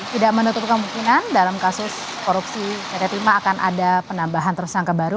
tidak menutup kemungkinan dalam kasus korupsi rt lima akan ada penambahan tersangka baru